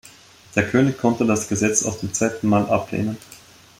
Der König konnte das Gesetz auch zum zweiten Mal ablehnen.